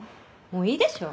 もういいでしょ？